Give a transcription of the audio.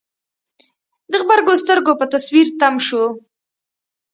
د غبرګو سترګو په تصوير تم شو.